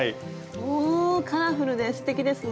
おカラフルですてきですね。